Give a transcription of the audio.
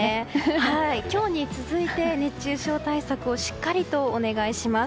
今日に続いて熱中症対策をしっかりとお願いします。